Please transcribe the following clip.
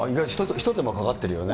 一手間かかってるよね。